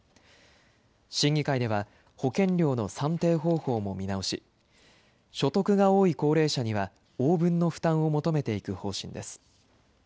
審議会では、保険料の算定方法も見直し、所得が多い高齢者には応分の負担を求めていく方針です。